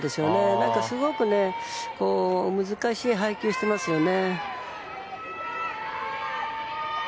何か、すごく難しい配球をしてますよね。